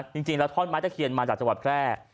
จริงท่อตม้ายเตะเคียนมาจากจังหวัดแครก